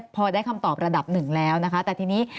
พอได้คำตอบระดับหนึ่งแล้วนะคะแต่ทีนี้